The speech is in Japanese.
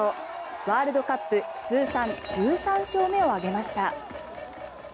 ワールドカップ通算１３勝目を挙げました。